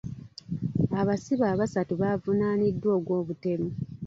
Abasibe abasatu baavunaaniddwa ogw'obutemu.